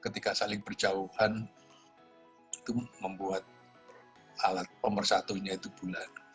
tuhan itu membuat alat pemersatunya itu bulan